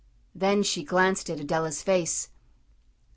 Then she glanced at Adela's face.